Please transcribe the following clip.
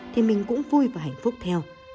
thì mình cũng vui và hạnh phúc theo